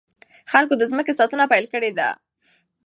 خلکو د ځمکې ساتنه پيل کړې ده.